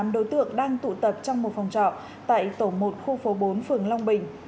tám đối tượng đang tụ tập trong một phòng trọ tại tổ một khu phố bốn phường long bình